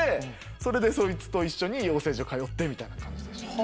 それでそいつと一緒に養成所通ってみたいな感じでした。